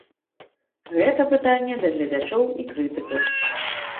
Гэта пытанне да гледачоў і крытыкаў.